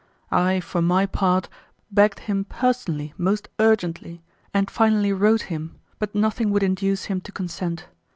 I, for my part, begged him personally most urgently and finally wrote him, but nothing would induce him to consent.